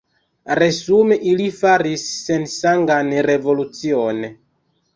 Resume ili faris sensangan revolucion.